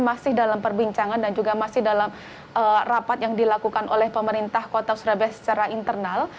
masih dalam perbincangan dan juga masih dalam rapat yang dilakukan oleh pemerintah kota surabaya secara internal